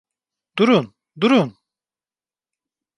Durun, durun!